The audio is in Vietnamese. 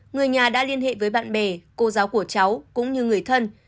người nhà đã liên hệ với bạn bè cô giáo của cháu cũng như người thân